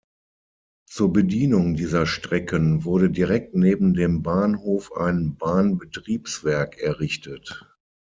Zur Bedienung dieser Strecken wurde direkt neben dem Bahnhof ein Bahnbetriebswerk errichtet.